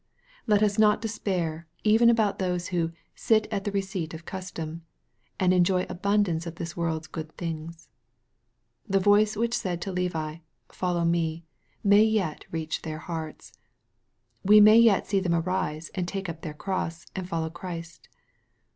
Let us not despair even about those who " sit at the receipt of custom," and enjoy abundance of this world's good things. The voice which said to Levi, " Follow me," may yet reach their hearts. We may yet see them arise, and take up their cross, and follow Christ.